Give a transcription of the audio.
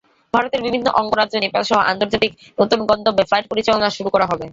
ভারতের বিভিন্ন অঙ্গরাজ্য, নেপালসহ আন্তর্জাতিক নতুন গন্তব্যে ফ্লাইট পরিচালনা শুরু করা হবে।